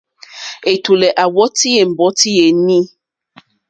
Ɛ̀tùlɛ̀ à wɔ́tì ɛ̀mbɔ́tí yèní.